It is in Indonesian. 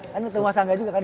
kan rumah sangga juga kan